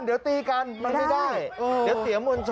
เดี๋ยวตีกันมันไม่ได้